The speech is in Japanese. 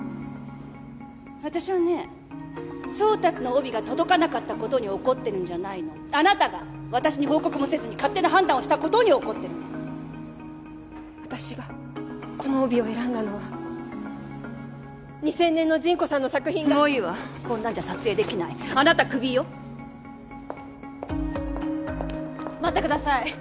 私はね宗達の帯が届かなかったことに怒ってるんじゃないのあなたが私に報告もせずに勝手な判断をしたことに怒ってるの私がこの帯を選んだのは２０００年のジンコさんの作品がもういいわこんなんじゃ撮影できないあなたクビよ待ってください